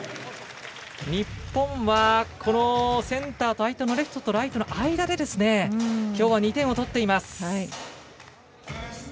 日本はこのセンターと相手のレフトとライトの間できょうは２点を取っています。